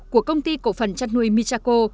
của công ty cổ phần chăn nuôi michaco